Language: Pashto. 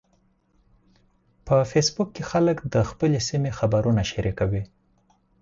په فېسبوک کې خلک د خپلې سیمې خبرونه شریکوي